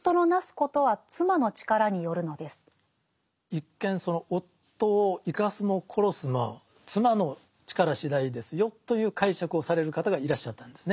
一見その夫を生かすも殺すも妻の力しだいですよという解釈をされる方がいらっしゃったんですね。